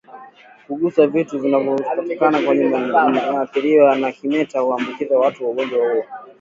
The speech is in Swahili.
Kugusa vitu vinavyotokana na mnyama aliyeathirika na kimeta huambukiza watu ugonjwa huu